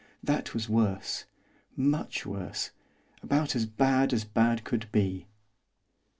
that was worse. Much worse. About as bad as bad could be.